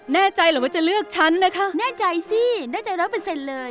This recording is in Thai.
แน่ใจหรือว่าจะเลือกฉันนะครับแน่ใจสิแน่ใจ๑๐๐เลย